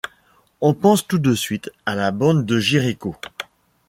On pense tout de suite à la bande de Jéricho...